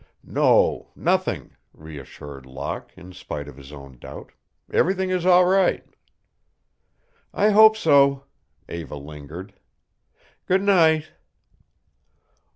"No nothing," reassured Locke, in spite of his own doubt. "Everything is all right." "I hope so." Eva lingered. "Good night."